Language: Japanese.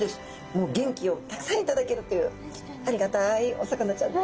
もう元気をたくさん頂けるというありがたいお魚ちゃんです。